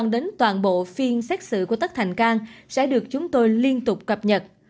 đoạn bộ phiên xét xử của tất thành cang sẽ được chúng tôi liên tục cập nhật